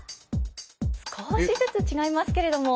少しずつ違いますけれども。